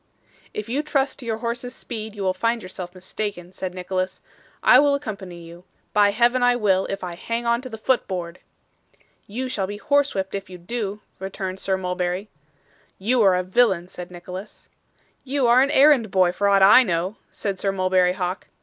'If you trust to your horse's speed, you will find yourself mistaken,' said Nicholas. 'I will accompany you. By Heaven I will, if I hang on to the foot board.' 'You shall be horsewhipped if you do,' returned Sir Mulberry. 'You are a villain,' said Nicholas. 'You are an errand boy for aught I know,' said Sir Mulberry Hawk.